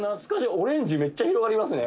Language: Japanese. オレンジめっちゃ広がりますね」